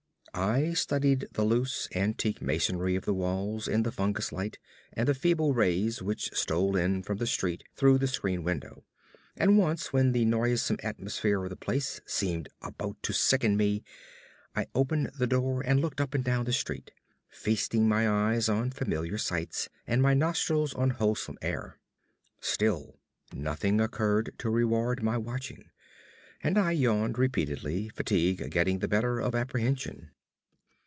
I studied the loose, antique masonry of the walls in the fungus light and the feeble rays which stole in from the street through the screened window; and once, when the noisome atmosphere of the place seemed about to sicken me, I opened the door and looked up and down the street, feasting my eyes on familiar sights and my nostrils on wholesome air. Still nothing occurred to reward my watching; and I yawned repeatedly, fatigue getting the better of apprehension.